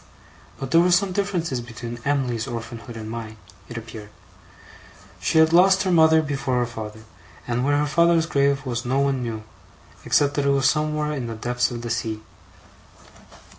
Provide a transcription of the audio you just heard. But there were some differences between Em'ly's orphanhood and mine, it appeared. She had lost her mother before her father; and where her father's grave was no one knew, except that it was somewhere in the depths of the sea.